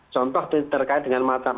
contoh terkait dengan matematika